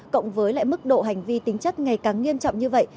cộng với lại mức độ hành vi tính chất ngày càng nghiêm trọng như vậy